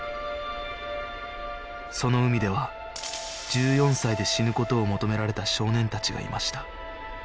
その海では１４歳で死ぬ事を求められた少年たちがいました